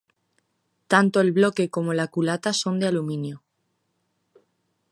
Tanto el bloque como la culata son de aluminio.